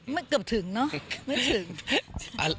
เกือบถึงเนอะไม่ถึง